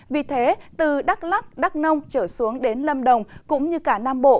vì thế từ đắk lắc đắk nông trở xuống đến lâm đồng cũng như cả nam bộ